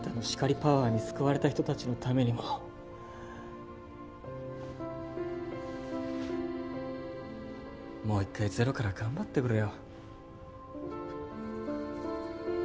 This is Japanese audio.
パワーに救われた人たちのためにももう一回ゼロから頑張ってくれよ。